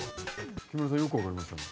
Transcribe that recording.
木村さんよく分かりましたね。